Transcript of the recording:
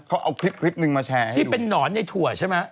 เค้าเอาคลิปนึงมาแชร์ให้ดูที่เป็นนอนในถั่วใช่มั้ย